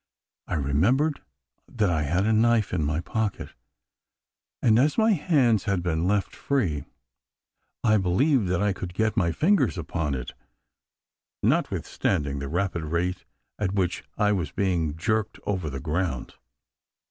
I remembered that I had a knife in my pocket; and, as my hands had been left free, I believed that I could get my fingers upon it, notwithstanding the rapid rate at which I was being jerked over the ground.